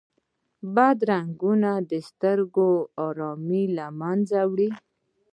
بدرنګه رنګونه د سترګو آرام له منځه وړي